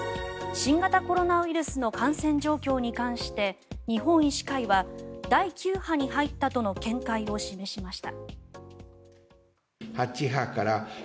新型コロナウイルスの感染状況について日本医師会は第９波に入ったとの見解を示しました。